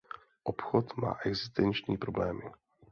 Obchod má existenční problémy.